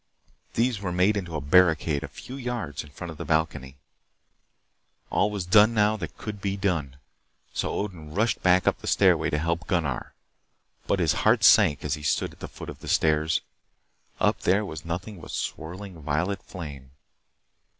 These were made into a barricade a few yards in front of the balcony. All was done now that could be done. So Odin rushed back to the stairway to help Gunnar. But his heart sank as he stood at the foot of the stairs. Up there was nothing but swirling, violet flame.